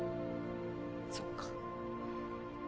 そっか。